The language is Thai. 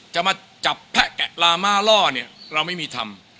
จะมาจับแพะแกะลาม่าล่อเนี่ยเราไม่มีทำ